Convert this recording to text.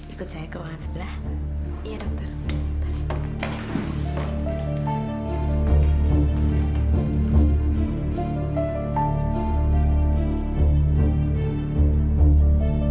ini dokter pacar saya mau aborsi